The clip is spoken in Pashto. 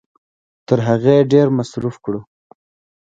تر هغې ډېر مصرف کړو